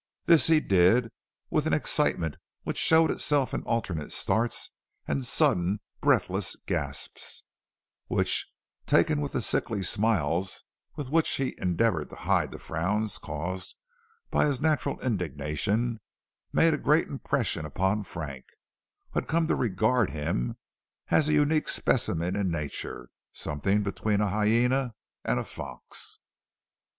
This he did with an excitement which showed itself in alternate starts and sudden breathless gasps, which, taken with the sickly smiles with which he endeavored to hide the frowns caused by his natural indignation, made a great impression upon Frank, who had come to regard him as a unique specimen in nature, something between a hyena and a fox.